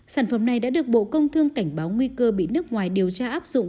sản phẩm này đã được bộ công thương cảnh báo nguy cơ bị nước ngoài điều tra áp dụng